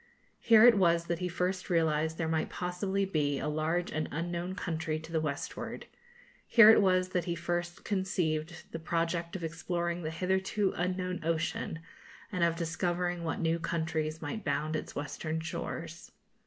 Here it was that he first realised there might possibly be a large and unknown country to the westward; here it was that he first conceived the project of exploring the hitherto unknown ocean and of discovering what new countries might bound its western shores.